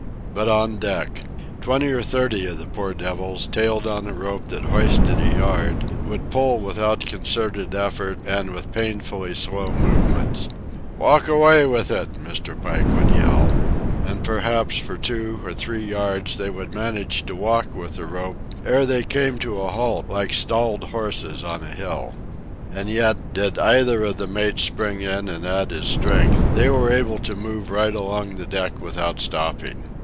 But on deck! Twenty or thirty of the poor devils, tailed on a rope that hoisted a yard, would pull without concerted effort and with painfully slow movements. "Walk away with it!" Mr. Pike would yell. And perhaps for two or three yards they would manage to walk with the rope ere they came to a halt like stalled horses on a hill. And yet, did either of the mates spring in and add his strength, they were able to move right along the deck without stopping.